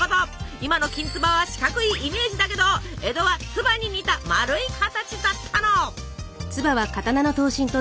今のきんつばは四角いイメージだけど江戸は鍔に似た丸い形だったの。